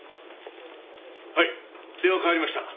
はい電話代わりました。